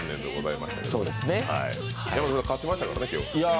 勝ちましたからね、今日。